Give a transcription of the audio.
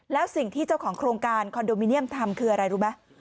แล้วสิ่งที่เจ้าของโครงการคอนโดมิเนียมทำคืออะไรรู้ไหม